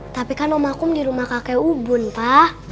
tapi kan om akum dirumah kakek ubun pa